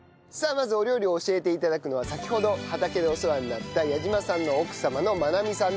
まずお料理を教えて頂くのは先ほど畑でお世話になった矢島さんの奥様のまなみさんです。